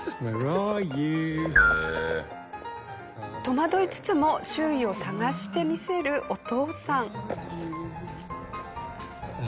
戸惑いつつも周囲を探してみせるお父さん。